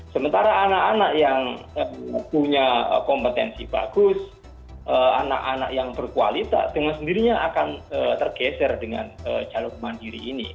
sementara anak anak yang punya kompetensi bagus anak anak yang berkualitas dengan sendirinya akan tergeser dengan jalur mandiri ini